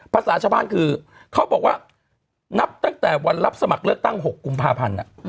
ภาษาชาวบ้านคือเขาบอกว่านับตั้งแต่วันรับสมัครเลือกตั้ง๖กุมภาพันธ์